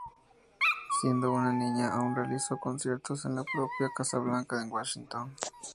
Siendo una niña aún, realizó conciertos en la propia Casa Blanca en Washington.